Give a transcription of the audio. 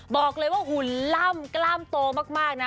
บอกเลยว่าหุ่นล่ำกล้ามโตมากนะ